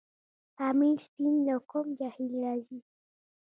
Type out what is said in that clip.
پامیر سیند له کوم جهیل راځي؟